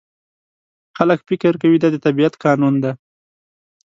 خلک فکر کوي دا د طبیعت قانون دی.